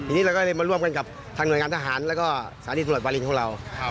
ทีนี้เราก็เลยมาร่วมกันกับทางหน่วยงานทหารแล้วก็สถานีตำรวจวาลินของเรา